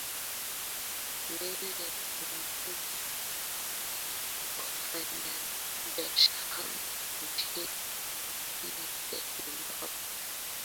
mbele ya viongozi wafanya biashara nchini zimbabwe